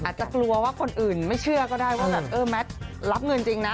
อาจจะกลัวว่าคนอื่นไม่เชื่อก็ได้ว่าแบบเออแมทรับเงินจริงนะ